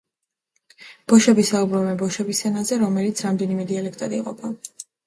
ბოშები საუბრობენ ბოშების ენაზე, რომელიც რამდენიმე დიალექტად იყოფა.